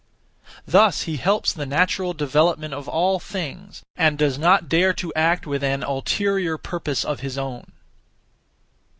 Thus he helps the natural development of all things, and does not dare to act (with an ulterior purpose of his own).